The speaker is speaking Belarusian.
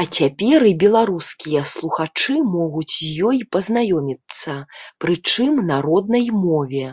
А цяпер і беларускія слухачы могуць з ёй пазнаёміцца, прычым на роднай мове.